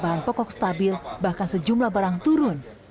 bahan pokok stabil bahkan sejumlah barang turun